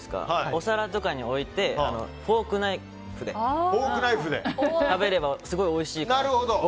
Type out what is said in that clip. お皿とかに置いてフォーク、ナイフで食べればすごいおいしいかなって。